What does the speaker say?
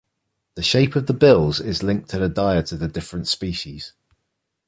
The shape of the bills is linked to the diet of the different species.